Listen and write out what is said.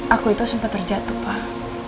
aku itu sempat terjatuh pak